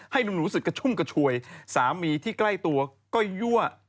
หนูรู้สึกกระชุ่มกระชวยสามีที่ใกล้ตัวก็ยั่ว